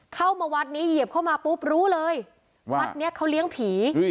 เข้ามาวัดนี้เหยียบเข้ามาปุ๊บรู้เลยว่าวัดนี้เขาเลี้ยงผี